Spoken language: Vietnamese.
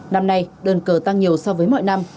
năm nay đơn cờ tăng nhiều so với mọi năm